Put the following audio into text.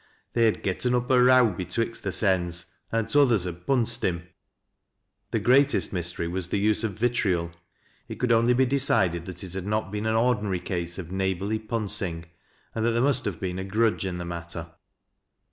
They had " getten up a row betwixt their sens, and t'others had punsed him." 204 THAT LASS y LOWRISTS. The greatest mystery was the use of vitriol. It could only be decided that it had not been an ordinary case ol neighborly " puusing," and that there must have been a " grudge " in the matter.